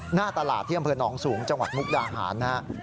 หน้าตลาดที่กำเผือนอองสูงจังหวัดมุกดาหารฮะ